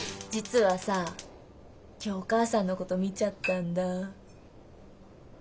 実はさ今日お母さんのこと見ちゃったんだ。